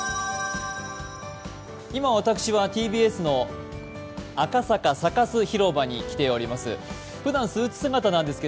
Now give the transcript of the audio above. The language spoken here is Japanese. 今、私はＴＢＳの赤坂サカス広場に来ています。